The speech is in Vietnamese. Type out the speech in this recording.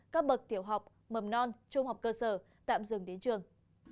các bậc tiểu học mầm non trung học cơ sở tạm dừng đến trường